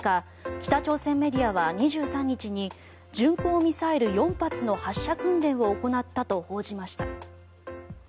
北朝鮮メディアは２３日に巡航ミサイル４発の発射訓練を行ったと報じました。